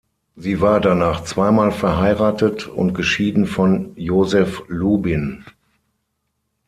Sie war danach zweimal verheiratet und geschieden von Joseph Lubin.